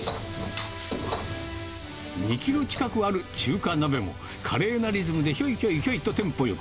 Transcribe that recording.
２キロ近くある中華鍋も、華麗なリズムでひょいひょいひょいとテンポよく。